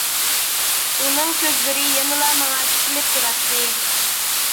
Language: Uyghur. ئۇنىڭ كۆزلىرى يەنىلا ماڭا تىكىلىپ تۇراتتى.